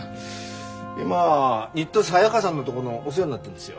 今新田サヤカさんのとこのお世話になってんですよ。